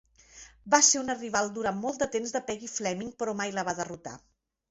Va ser una rival durant molt de temps de Peggy Fleming, però mai la va derrotar.